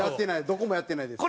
どこもやってないです。